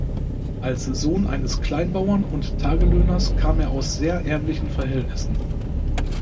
Als Sohn eines Kleinbauern und Tagelöhners kam er aus sehr ärmlichen Verhältnissen.